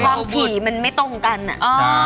ผีมันไม่ตรงกันอ่ะ